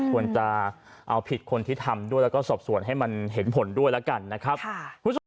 ควรจะเอาผิดคนที่ทำด้วยแล้วก็สอบสวนให้มันเห็นผลด้วยแล้วกันนะครับ